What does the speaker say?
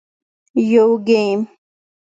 - یو ګېم 🎮